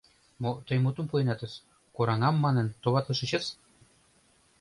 — Мо тый мутым пуэнатыс: кораҥам манын товатлышычыс?